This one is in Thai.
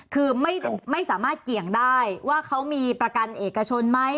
คือไม่สามารถเกี่ยงได้ว่าเขามีประกันเอกชนไหม